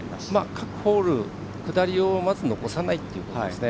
各ホール、下りをまず残さないということですね。